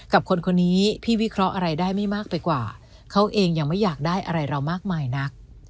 กับคนคนนี้พี่วิเคราะห์อะไรได้ไม่มากไปกว่าเขาเองยังไม่อยากได้อะไรเรามากมายนัก